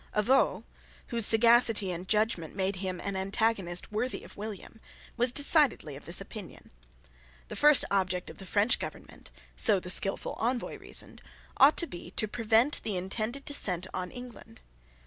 Avaux, whose sagacity and judgment made him an antagonist worthy of William, was decidedly of this opinion. The first object of the French government so the skilful Envoy reasoned ought to be to prevent the intended descent on England.